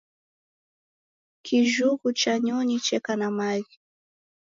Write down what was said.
Kijhungu cha nyonyi cheka na maghi